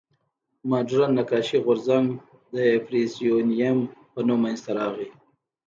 مډرن نقاشي غورځنګ د امپرسیونیېم په نوم منځ ته راغی.